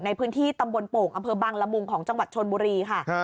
ในพื้นที่ตำบลโป่งอำเภอบังละมุงของจังหวัดชนบุรีค่ะ